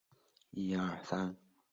出生于神奈川县川崎市高津区。